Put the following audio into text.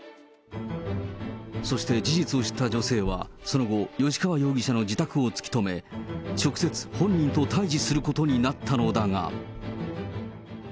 そして事実を知った女性は、その後、吉川容疑者の自宅を突き止め、直接、本人と対じすることになったのだが。